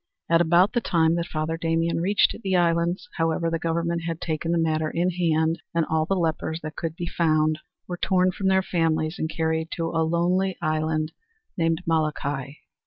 At about the time that Father Damien reached the islands, however, the Government had taken the matter in hand, and all the lepers that could be found were torn from their families and carried to a lonely island named Molokai.